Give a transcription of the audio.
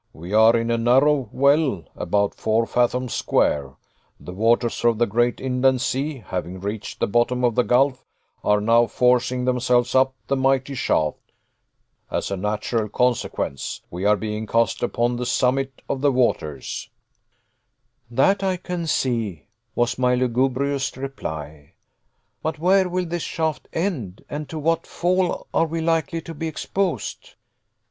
"We are in a narrow well about four fathoms square. The waters of the great inland sea, having reached the bottom of the gulf are now forcing themselves up the mighty shaft. As a natural consequence, we are being cast upon the summit of the waters." "That I can see," was my lugubrious reply; "but where will this shaft end, and to what fall are we likely to be exposed?"